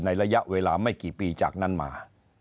ระยะเวลาไม่กี่ปีจากนั้นมา